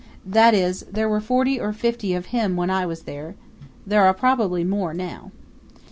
That is, there were forty or fifty of him when I was there. There are probably more now.